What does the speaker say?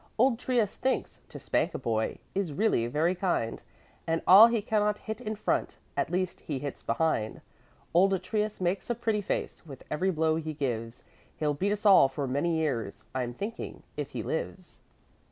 Old Trius thinks: To spank a boy Is really very kind, And all he cannot hit in front At least he hits behind. Old Trius makes a pretty face With every blow he gives. He'll beat us all for many years, I'm thinking, if he lives.